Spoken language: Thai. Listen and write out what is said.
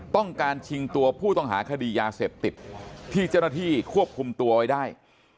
ต้องการชิงตัวผู้ต้องหาคดียาเสพติดที่เจ้าหน้าที่ควบคุมตัวไว้ได้